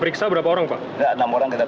periksa berapa orang pak